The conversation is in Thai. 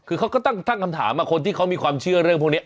คือเขาก็ตั้งคำถามคนที่เขามีความเชื่อเรื่องพวกนี้